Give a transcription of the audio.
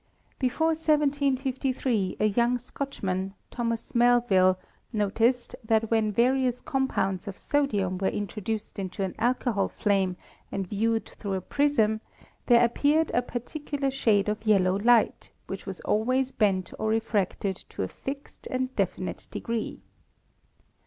Before 1753 a young Scotchman, Thomas Melvill, no ticed that when various compounds of sodium were intro duced into an alcohol flame and viewed through a prism Fig. 3 — Dispersion of Light by the Prism. there appeared a particular shade of yellow light, which was always bent or refracted to a fixed and definite de gree.